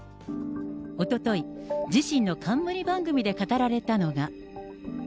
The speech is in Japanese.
おととい、自身の冠番組で語られたのが。